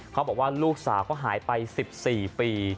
เขาบอกว่าลูกสาวเขาหายไป๑๔ปี